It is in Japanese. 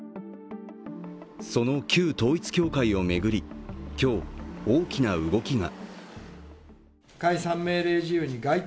その旧統一教会を巡り、今日、大きな動きが。